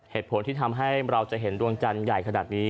เหตุผลที่ทำให้เราจะเห็นดวงจันทร์ใหญ่ขนาดนี้